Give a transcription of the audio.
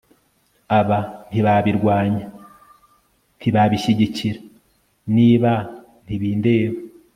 aba ntibabirwanya, ntibabishyigikira, niba ntibindeba